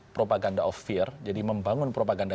propaganda of fear jadi membangun propaganda